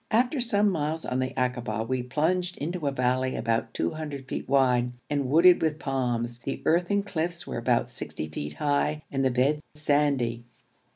After some miles on the akaba, we plunged into a valley about 200 feet wide, and wooded with palms; the earthen cliffs were about 60 feet high, and the bed sandy.